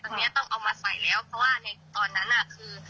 คือเราก็ไปโดยไม่รู้แล้วผู้ใหญ่ก็พึ่งมา